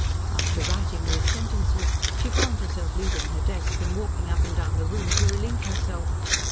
After writing these sentences she found herself leaving her desk and walking up and down the room to relieve herself.